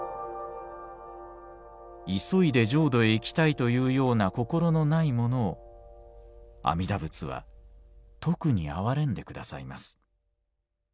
「急いで浄土へ行きたいというような心のないものを阿弥陀仏はとくに憐れんでくださいます。